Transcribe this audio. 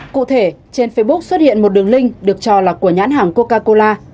cụ thể trên facebook xuất hiện một đường link được cho là của nhãn hàng coca cola